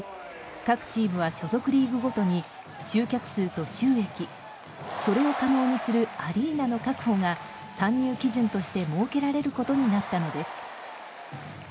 各チームは所属リーグごとに集客数と収益それを可能にするアリーナの確保が参入基準として設けられることになったのです。